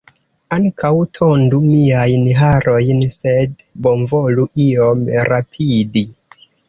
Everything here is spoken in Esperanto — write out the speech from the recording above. Ankaŭ tondu miajn harojn, sed bonvolu iom rapidi.